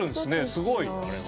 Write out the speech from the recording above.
すごいあれは。